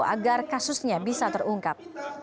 agar kasusnya bisa terungkap